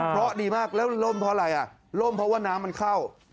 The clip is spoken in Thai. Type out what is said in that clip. เพราะดีมากแล้วล่มเพราะอะไรอ่ะล่มเพราะว่าน้ำมันเข้า